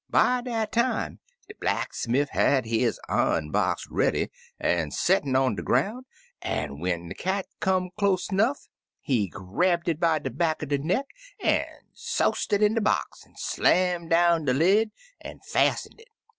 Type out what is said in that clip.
By dat time de blacksmiff had his i*on box reiady, an* settin* on de groun*, an* when de cat come close *nough, he grabbed it by de back er de neck an* soused it in de box, an* slanuned down de led an* fastened it.